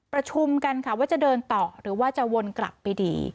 ประชุมกันค่ะว่าจะเดินต่อหรือว่าจะวนกลับไปดี